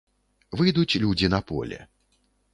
Выйдуць людзі на поле.